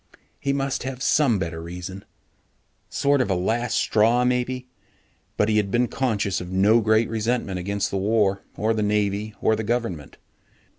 He must have some better reason. Sort of a last straw, maybe. But he had been conscious of no great resentment against the war or the Navy or the government.